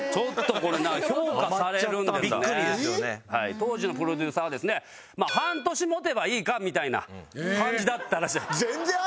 当時のプロデューサーはですね半年持てばいいかみたいな感じだったらしい。